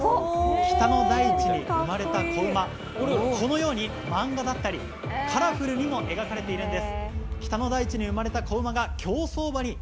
北の大地に生まれた子馬、このようにカラフルに描かれているんです。